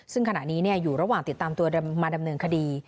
ซึ่งขณะนี้อยู่ระหว่างติดตามตัวมาดำเนินคดี